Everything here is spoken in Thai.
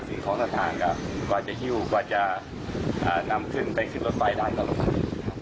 สิ่งของทางกว่าจะหิ้วกว่าจะนำขึ้นไปสิ่งรถไฟไทยก็หลบ